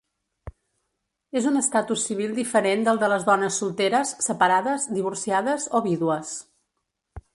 És un estatus civil diferent del de les dones solteres, separades, divorciades o vídues.